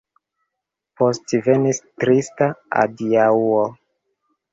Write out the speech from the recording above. Poste venis trista adiaŭo.